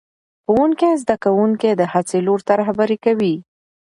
ښوونکی زده کوونکي د هڅې لور ته رهبري کوي